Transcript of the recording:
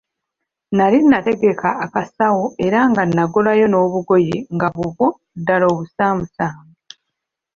Nnali nategeka akasawo era nga nagulayo n'obugoye nga buubwo, ddala obusaamusaamu.